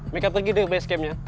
mereka pergi dari basecampnya